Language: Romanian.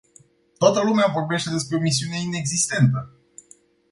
Toată lumea vorbește despre o misiune inexistentă.